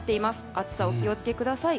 暑さ、お気を付けください。